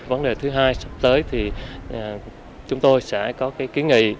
vấn đề thứ hai sắp tới thì chúng tôi sẽ có ký nghị